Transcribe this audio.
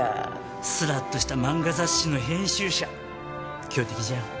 スラッとした漫画雑誌の編集者強敵じゃん。